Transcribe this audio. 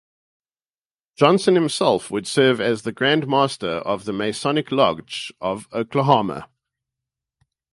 Johnston himself would serve as the Grand Master of the Masonic Lodge of Oklahoma.